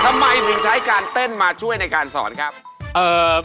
ทำไมถึงใช้การเต้นมาช่วยในการสอนครับ